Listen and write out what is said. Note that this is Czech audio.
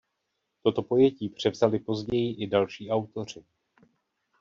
Toto pojetí převzali později i další autoři.